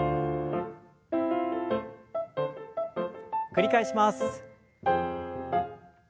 繰り返します。